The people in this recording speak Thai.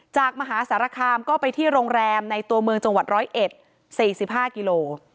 มหาสารคามก็ไปที่โรงแรมในตัวเมืองจังหวัด๑๐๑๔๕กิโล